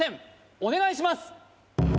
お願いします！